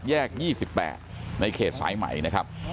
แยกยี่สิบแปดในเขตสายไหมนะครับ